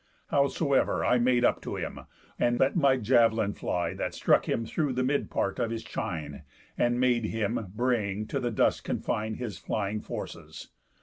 Howsoever, I Made up to him, and let my jav'lin fly, That struck him through the mid part of his chine, And made him, braying, to the dust confine His flying forces.